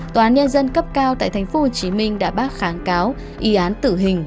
tòa nhân dân cấp cao tại tp hcm đã bác kháng cáo ý án tử hình